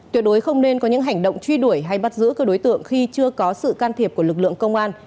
tuyệt đối không nên có những hành động truy đuổi hay bắt giữ các đối tượng khi chưa có sự can thiệp của lực lượng công an